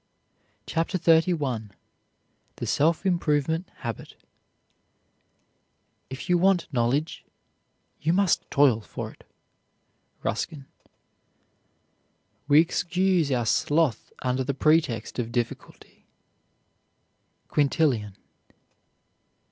CHAPTER XXXI THE SELF IMPROVEMENT HABIT If you want knowledge you must toil for it. RUSKIN. We excuse our sloth under the pretext of difficulty. QUINTILLIAN.